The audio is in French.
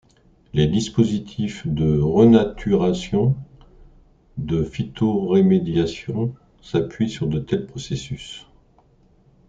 Les dispositifs de renaturation de phytoremédiation s'appuient sur de tels processus.